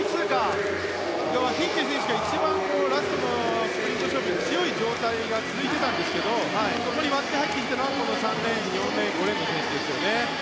フィンケ選手が一番、ラストのスピード勝負に強い状態が続いていたんですがそこに割って入っていったのが３レーン、４レーン、５レーンの選手ですね。